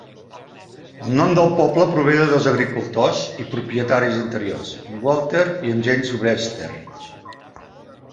El nom del poble prové de dos agricultors i propietaris anteriors, en Walter i en James Brewster.